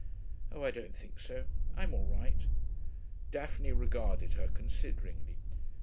'Oh, I don't think so. I'm all right.' Daphne regarded her consideringly.